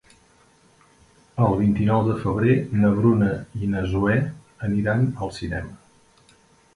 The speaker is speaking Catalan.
El vint-i-nou de febrer na Bruna i na Zoè aniran al cinema.